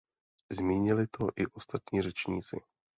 Zmínili to i ostatní řečníci.